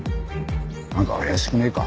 なんか怪しくねえか？